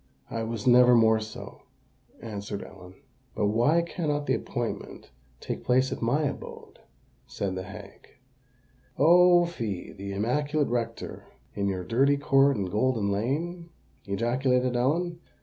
"I was never more so," answered Ellen. "But why cannot the appointment take place at my abode?" said the hag. "Oh! fie—the immaculate rector in your dirty court in Golden Lane!" ejaculated Ellen.